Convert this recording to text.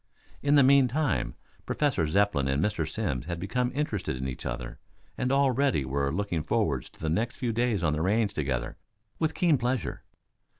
In the meantime Professor Zepplin and Mr. Simms had become interested in each other and already were looking forward to the next few days on the range together, with keen pleasure.